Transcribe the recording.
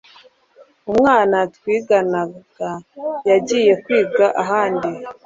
umwana twiganaga yagiye kwiga ahandi